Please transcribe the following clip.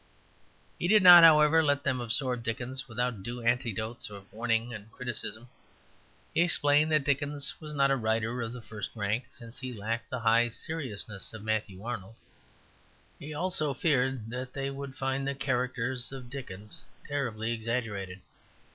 He did not, however, let them absorb Dickens without due antidotes of warning and criticism. He explained that Dickens was not a writer of the first rank, since he lacked the high seriousness of Matthew Arnold. He also feared that they would find the characters of Dickens terribly exaggerated.